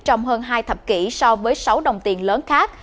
trong hơn hai thập kỷ so với sáu đồng tiền lớn khác